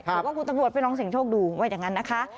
บอกว่าคุณตำรวจไปลองเสียงโชคดูว่าอย่างนั้นนะคะ